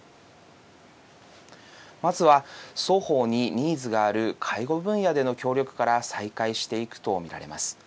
まずは双方にニーズがある介護分野での協力から再開していくと見られます。